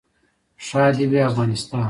ښاد دې وي افغانستان.